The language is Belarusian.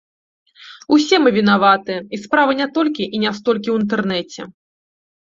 Усе мы вінаватыя, і справа не толькі і не столькі ў інтэрнэце.